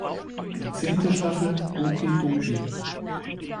Die zehnte Staffel "Doki Doki!